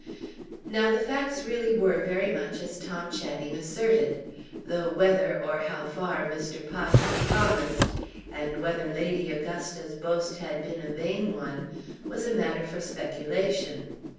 Now the facts really were very much as Tom Channing asserted; though whether, or how far, Mr. Pye had promised, and whether Lady Augusta's boast had been a vain one, was a matter for speculation.